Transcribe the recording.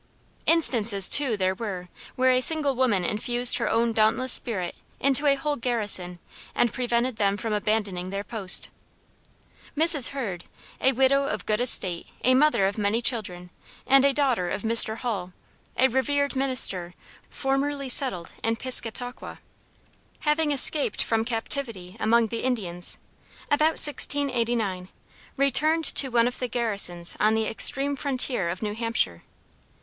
Instances too there were, where a single woman infused her own dauntless spirit into a whole garrison, and prevented them from abandoning their post. Mrs. Heard, "a widow of good estate a mother of many children, and a daughter of Mr. Hull, a revered minister formerly settled in Piscataqua," having escaped from captivity among the Indians, about 1689, returned to one of the garrisons on the extreme frontier of New Hampshire.